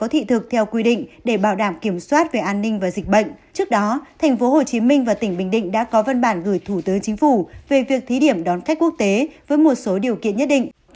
trước đó thành phố hồ chí minh và tỉnh bình định đã có văn bản gửi thủ tướng chính phủ về việc thí điểm đón khách quốc tế với một số điều kiện nhất định